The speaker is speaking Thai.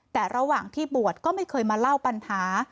แต่ระหว่างที่บวชก็ไม่เคยมาเล่าปัญหา